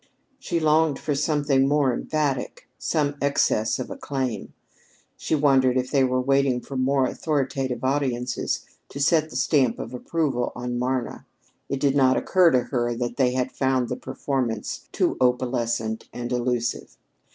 She longed for something more emphatic some excess of acclaim. She wondered if they were waiting for more authoritative audiences to set the stamp of approval on Marna. It did not occur to her that they had found the performance too opalescent and elusive.